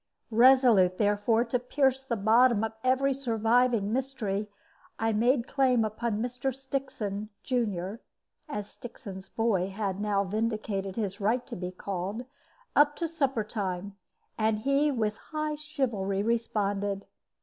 Resolute, therefore, to pierce the bottom of every surviving mystery, I made claim upon "Mr. Stixon, junior" as "Stixon's boy" had now vindicated his right to be called, up to supper time and he with high chivalry responded.